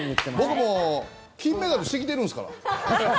僕も金メダルしてきてるんですから。